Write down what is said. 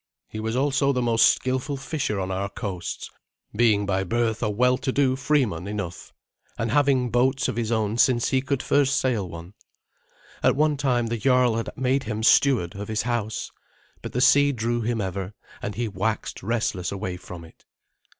He was also the most skilful fisher on our coasts, being by birth a well to do freeman enough, and having boats of his own since he could first sail one. At one time the jarl had made him steward of his house; but the sea drew him ever, and he waxed restless away from it.